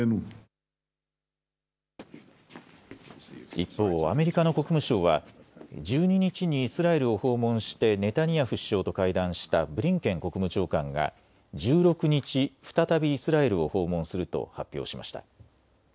一方、アメリカの国務省は１２日にイスラエルを訪問してネタニヤフ首相と会談したブリンケン国務長官が１６日、再びイスラエルを訪問すると発表しました。